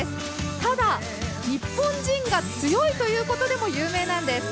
ただ、日本人が強いということでも有名なんです。